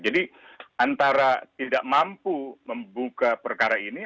jadi antara tidak mampu membuka perkara ini